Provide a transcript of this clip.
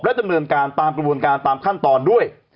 ดำเนินการตามกระบวนการตามขั้นตอนด้วย